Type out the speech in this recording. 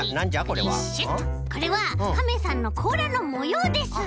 これはカメさんのこうらのもようです。